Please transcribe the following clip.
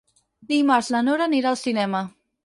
Dimarts na Nora anirà al cinema.